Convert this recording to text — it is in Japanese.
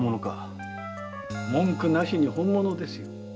文句なしに本物ですよ。